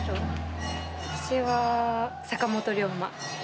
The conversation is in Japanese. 私は坂本龍馬。